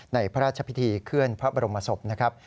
ในพระราชพิธีเคลื่อนพระบรมศพนะครับ